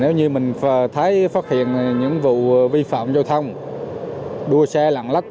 nếu như mình thấy phát hiện những vụ vi phạm giao thông đua xe lạng lách